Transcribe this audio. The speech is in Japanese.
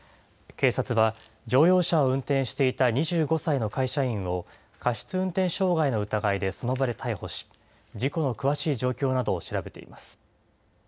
警察は、乗用車を運転していた２５歳の会社員を、過失運転傷害の疑いでその場で逮捕し、事故の詳しい状況などを調べています。